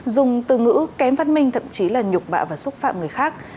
dùng từ ngữ kém phát minh thậm chí là nhục bạ và xúc phạm người khác